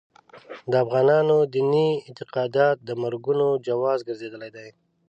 د افغانانو دیني اعتقادات د مرګونو جواز ګرځېدلي دي.